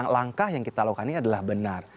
langkah yang kita lakukan ini adalah benar